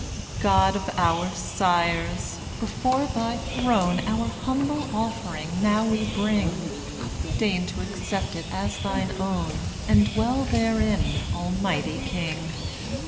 God of our sires! before thy throne Our humble offering now we bring; Deign to accept it as thine own, And dwell therein, Almighty King!